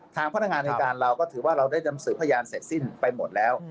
ทางพนักงานในการเราก็ถือว่าเราได้นำสืบพยานเสร็จสิ้นไปหมดแล้ว